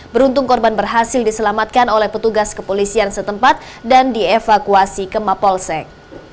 beruntung korban berhasil diselamatkan oleh petugas kepolisian setempat dan dievakuasi ke mapolsek